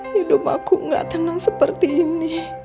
hidup aku gak tenang seperti ini